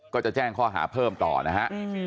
ก็จะแจ้งข้อหาเพิ่มต่อนะฮะ